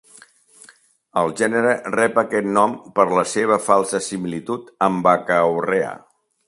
El gènere rep aquest nom per la seva falsa similitud amb "Baccaurea".